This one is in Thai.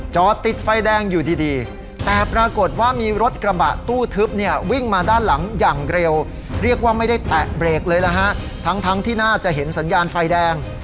จอดติดไฟแดงอยู่ดีแต่ปรากฏว่ามีรถกระบะตู้ทึบเนี่ยวิ่งมาด้านหลังอย่างเร็วเรียกว่าไม่ได้แตะเบรกเลยนะฮะทั้งที่น่าจะเห็นสัญญาณไฟแดง